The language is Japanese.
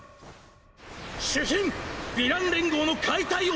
主賓ヴィラン連合の解体を！